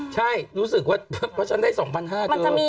ใช่รู้สึกว่าฉันได้๒๕๐๐